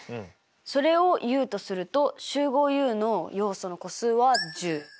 それをＵとすると集合Ｕの要素の個数は１０。